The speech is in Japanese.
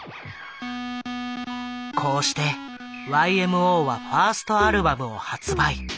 こうしてＹＭＯはファーストアルバムを発売。